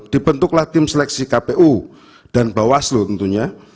dibentuklah tim seleksi kpu dan bawaslu tentunya